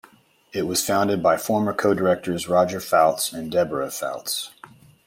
It was founded by former co-directors Roger Fouts and Deborah Fouts.